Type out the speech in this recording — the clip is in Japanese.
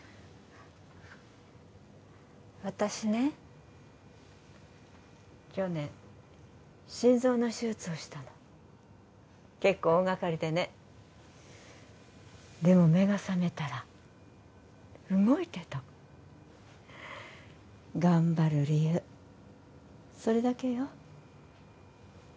私ね去年心臓の手術をしたの結構大がかりでねでも目が覚めたら動いてた頑張る理由それだけよ